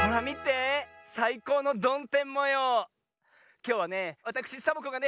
きょうはねわたくしサボ子がね